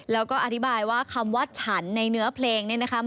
แล้วก็อธิบายว่าคำวัดฉันในเนื้อเพลงเนี่ยนะคะ